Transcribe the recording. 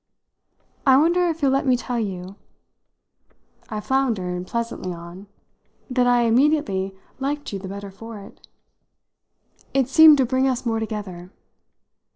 I wonder if you'll let me tell you," I floundered pleasantly on, "that I immediately liked you the better for it. It seemed to bring us more together.